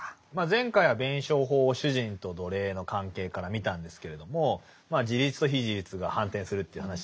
前回は弁証法を主人と奴隷の関係から見たんですけれども自立と非自立が反転するという話でしたよね。